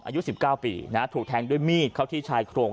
อายุ๑๙ปีถูกแทงด้วยมีดเข้าที่ชายโครง